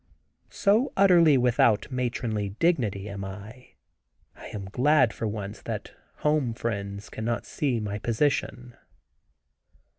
So utterly without matronly dignity am I, I am glad for once that home friends cannot see my position.